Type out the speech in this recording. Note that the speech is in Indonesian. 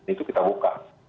itu kita buka